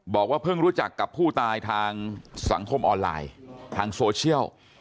บอกว่าเพิ่งรู้จักกับผู้ตายทางสังคมออนไลน์ทางโซเชียล